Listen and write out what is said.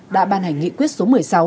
đã ban hành nghị quyết số một mươi sáu